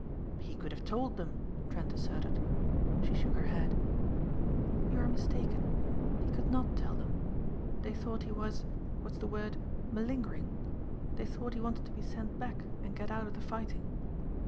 "He could have told them," Trent asserted. She shook her head. "You are mistaken. He could not tell them. They thought he was, what's the word, malingering. They thought he wanted to be sent back and get out of the fighting.